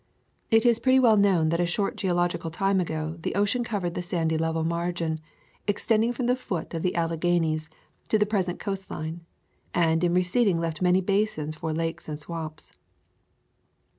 It is pretty well known that a short geologi cal time ago the ocean covered the sandy level margin, extending from the foot of the Alle ghanies to the present coast line, and in re ceding left many basins for lakes and swamps.